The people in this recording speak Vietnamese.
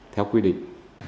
theo quy định